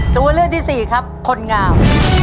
ตัวเลือกที่สี่ครับคนงาม